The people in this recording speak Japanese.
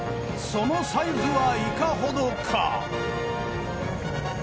そのサイズはいかほどか？